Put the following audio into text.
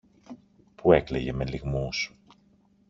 που έκλαιγε με λυγμούς.